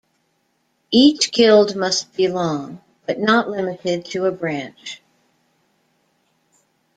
Each guild must belong, but not limited, to a branch.